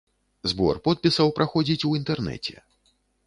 Збор подпісаў праходзіць у інтэрнэце.